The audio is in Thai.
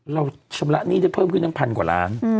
เราชำระหนี้ได้เพิ่มขึ้นตั้งพันกว่าล้าน